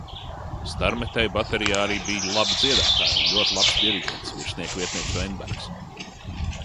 Starmetēju baterijā arī bija labi dziedātāji un ļoti labs diriģents, virsnieka vietnieks Veinbergs.